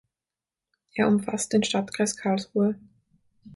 Er umfasst den Stadtkreis Karlsruhe.